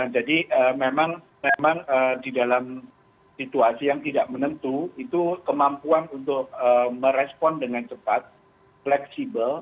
jadi memang di dalam situasi yang tidak menentu itu kemampuan untuk merespon dengan cepat fleksibel